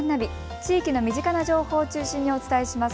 地域の身近な情報を中心にお伝えします。